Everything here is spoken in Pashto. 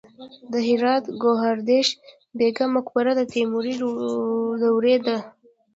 د هرات ګوهردش بیګم مقبره د تیموري دورې ده